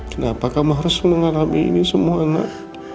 kenapa kamu harus mengalami ini semua nak